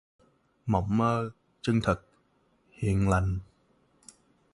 Mộng mơ, chân thật, hiền lành